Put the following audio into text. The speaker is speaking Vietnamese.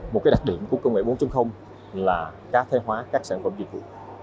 một đặc điểm của công nghệ bốn là cá thể hóa các sản phẩm dịch vụ